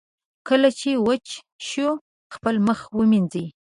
کله چې وچ شو، خپل مخ ومینځئ.